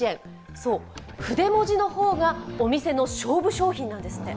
筆文字の方がお店の勝負商品なんですって。